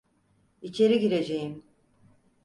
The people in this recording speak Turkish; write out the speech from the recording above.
İçeri gireceğim.